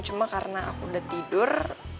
cuma karena aku udah tidur